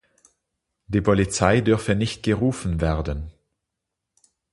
Die Polizei dürfe nicht gerufen werden.